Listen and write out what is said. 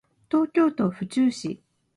東京都府中市